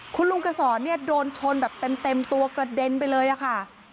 คุณลุงกระสอนเนี่ยโดนชนแบบเต็มตัวกระเด็นไปเลยค่ะ